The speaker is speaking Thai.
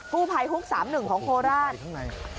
กู้ไพฮุก๓๑ของโคราช